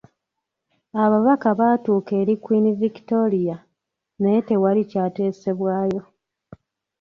Ababaka baatuuka eri Queen Victoria, naye tewali kyateesebwayo.